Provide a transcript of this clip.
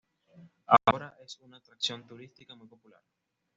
Ahora es una atracción turística muy popular.